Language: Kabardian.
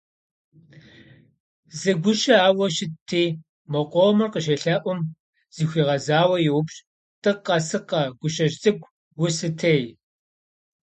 Зы гущэ ауэ щытти мо къомыр къыщелъэӏум, зыхуигъэзауэ йоупщӏ: «Тӏыкъэ сыкъэ, гущэжь цӏыкӏу, усытей?».